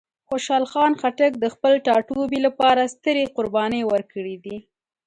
خوشحال خان خټک د خپل ټاټوبي لپاره سترې قربانۍ ورکړې دي.